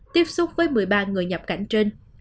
tiếp xúc với một mươi ba người nhập cảnh trên